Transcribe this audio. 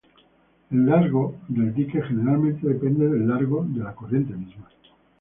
El largo del dique generalmente depende del largo de la corriente misma.